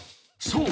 ［そう。